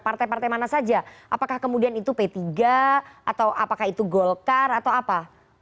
partai partai mana saja apakah kemudian itu p tiga atau apakah itu golkar atau apa